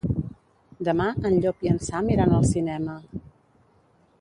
Demà en Llop i en Sam iran al cinema.